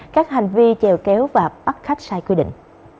các hành vi trèo kéo và bắt khách sai quy định